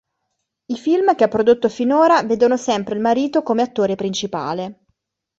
I film che ha prodotto finora vedono sempre il marito come attore principale.